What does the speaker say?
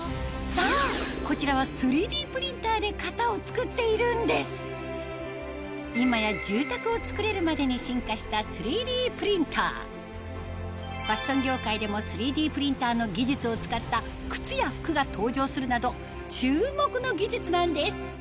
そうこちらは今や住宅を造れるまでに進化した３Ｄプリンターファッション業界でも３Ｄプリンターの技術を使った靴や服が登場するなど注目の技術なんです